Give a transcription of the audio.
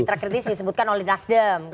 kita kritis disebutkan oleh nasdem